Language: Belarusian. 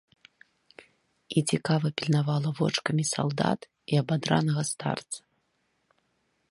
І цікава пільнавала вочкамі салдат і абадранага старца.